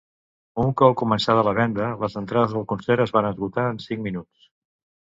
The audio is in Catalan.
Un cop començada la venda, les entrades del concert es van esgotar en cinc minuts.